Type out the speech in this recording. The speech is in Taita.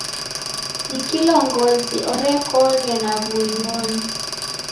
Ni kilongozi urekoghe na w'uing'oni.